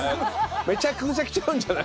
めちゃくちゃ来ちゃうんじゃない？